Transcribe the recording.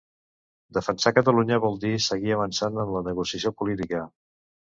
Defensar Catalunya vol dir seguir avançant en la negociació política